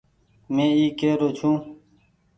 مين اي ڪي رو ڇو۔